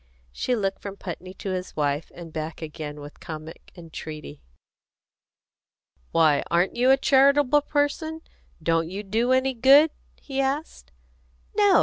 She looked from Putney to his wife, and back again with comic entreaty. "Why, aren't you a charitable person? Don't you do any good?" he asked. "No!"